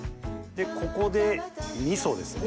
ここで味噌ですね。